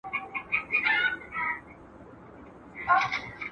لومړۍ خښته کږه وه، دا ماڼۍ به را نړېږي !.